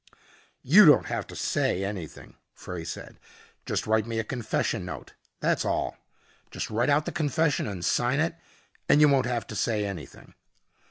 "You don't have to say anything," Frey said. "Just write me a confession note, that's all. Just write out the confession and sign it and you won't have to say anything."